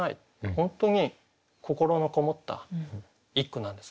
本当に心のこもった一句なんですね。